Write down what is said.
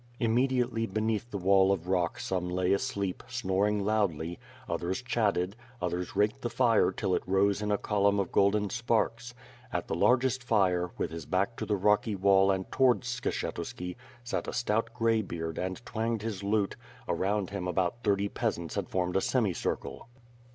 Immediately beneath the wall of rock some lay asleep, snoring loudly; others chatted; others raked the fire till it rose in a column of golden sparks. At the largest fire, with hi^ back to the rocky wall and towards Skshetuski, sat a stout graybeard and twanged his lute, around him about thirty peasants had formed a semicircle.